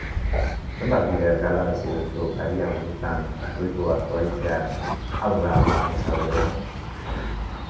Zenbat bider galarazi duzu garia burutan, fruitua zuhaitzean, haurra amaren sabelean?